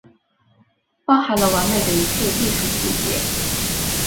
包含了完美的一切技术细节